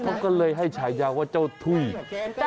เขาก็เลยให้ฉายาว่าเจ้าถุย